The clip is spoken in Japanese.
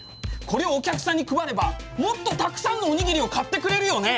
これをお客さんに配ればもっとたくさんのおにぎりを買ってくれるよね！